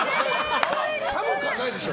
寒くはないでしょ。